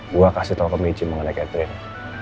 gue kasih tau ke michi mengenai catherine